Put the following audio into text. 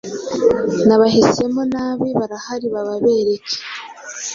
n’abahisemo nabi barahari bababereke